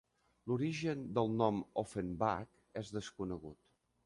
L'origen del nom Ofenbach és desconegut.